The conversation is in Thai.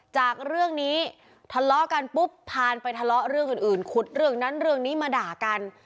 จากเรื่องนี้ทะเลาะกันปุ๊บพานไปทะเลาะเรื่องอื่นขุดเรื่องนั้นเรื่องนี้มาด่ากัน